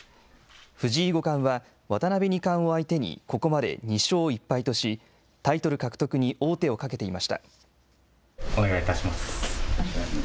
藤井五冠は、渡辺二冠を相手にここまで２勝１敗とし、タイトル獲得に王手をかけていました。